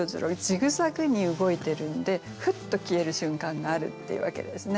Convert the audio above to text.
ジグザグに動いてるんでふっと消える瞬間があるっていうわけですね。